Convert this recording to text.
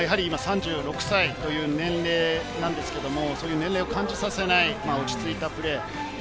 今３６歳という年齢なんですけれど、年齢を感じさせない落ち着いたプレー。